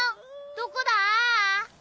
どこだ？